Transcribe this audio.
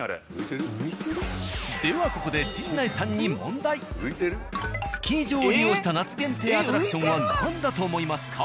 ではここで陣内さんにスキー場を利用した夏限定のアトラクションは何だと思いますか？